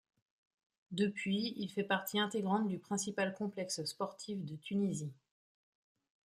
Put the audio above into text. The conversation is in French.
Depuis, il fait partie intégrante du principal complexe sportif de Tunisie.